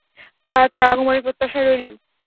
তার আগমনের প্রত্যাশায় রইলাম।